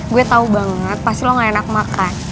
gue tau banget pasti lo gak enak makan